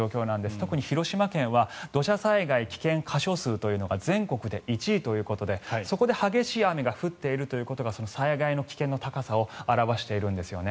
特に広島県は土砂災害危険箇所数というのが全国で１位ということでそこで激しい雨が降っているということが災害の危険の高さを表しているんですよね。